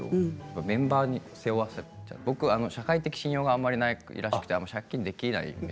メンバーに背負わせて僕は社会的信用があまりないらしくて借金ができなくて。